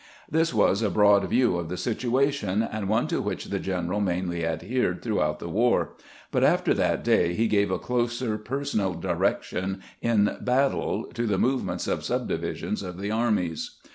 This was a broad view of the situation, and one to which the general mainly adhered throughout the war ; but after that day he gave a closer personal direction in battle to the movements of subdivisions of the armies.